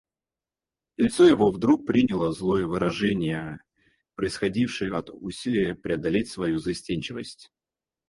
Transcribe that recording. Лицо его вдруг приняло злое выражение, происходившее от усилия преодолеть свою застенчивость.